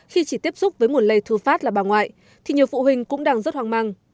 khi chỉ tiếp xúc với nguồn lây thư phát là bà ngoại thì nhiều phụ huynh cũng đang rất hoang mang